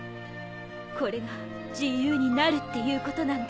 これが自由になるっていうことなんだ。